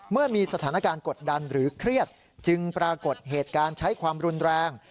เมื่อมีสถานการณ์กดดันหรือเครียดจึงปรากฏเหตุการณ์ใช้ความรุนแรง